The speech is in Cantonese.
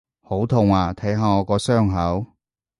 好痛啊！睇下我個傷口！